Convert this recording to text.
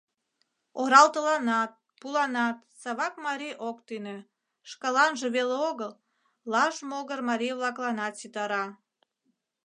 Оралтыланат, пуланат Савак марий ок тӱнӧ, шкаланже веле огыл, Лаж могыр марий-влакланат ситара.